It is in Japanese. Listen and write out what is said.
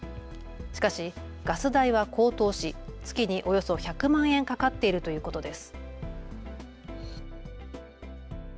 しかしガス代は高騰し月におよそ１００万円かかっているということです。